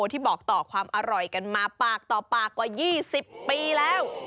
ที่บอกต่อความอร่อยกันมาปากต่อปากกว่า๒๐ปีแล้ว